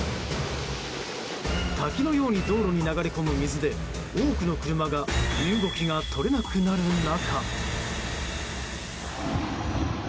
滝のように道路に流れ込む水で多くの車が身動きが取れなくなる中。